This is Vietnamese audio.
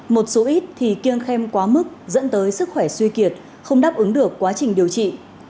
một số ít thì kiêng khem quá mức dẫn tới sức khỏe suy kiệt không đáp ứng được quá trình điều trị